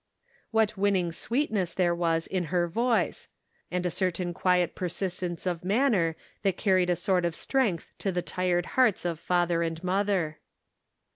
What winning sweetness there was in her voice. And a certain quiet persistence of Measured l>y Trial. manner that carried a sort of strength to the tired hearts of father and mother.